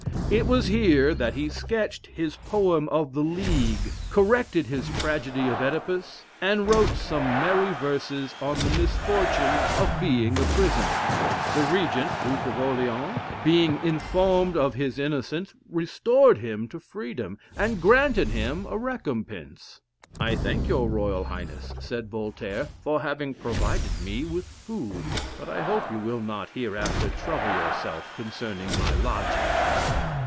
It was here that he sketched his poem of the "League," corrected his tragedy of "Oedipus," and wrote some merry verses on the misfortune, of being a prisoner. The Regent, Duke of Orleans, being informed of his innocence, restored him to freedom, and granted him a recompense. "I thank your royal highness," said Voltaire, "for having provided me with food; but I hope you will not hereafter trouble yourself concerning my lodging."